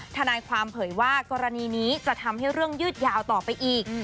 ทนายความเผยว่ากรณีนี้จะทำให้เรื่องยืดยาวต่อไปอีก